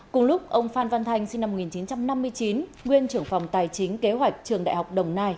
cùng lúc ông phan văn thanh sinh năm một nghìn chín trăm năm mươi chín nguyên trưởng phòng tài chính kế hoạch trường đại học đồng nai